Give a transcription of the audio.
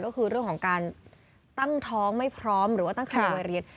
ก็คือเรื่องของการตั้งท้องไม่พร้อมหรือว่าตั้งแต่วัยเรียน